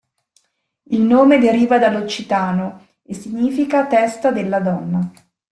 Il nome deriva dall'occitano, e significa "testa della donna".